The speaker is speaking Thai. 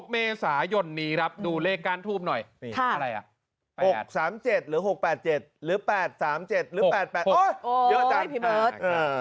๑๖เมษายนนี้ครับดูเลขการทูบหน่อยอะไรอ่ะ๖๓๗หรือ๖๘๗หรือ๘๓๗หรือ๘๘๘โอ๊ยเยอะจัง